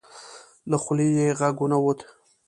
له خولې یې غږ ونه وت.